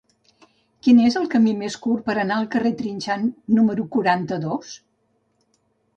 Quin és el camí més curt per anar al carrer de Trinxant número quaranta-dos?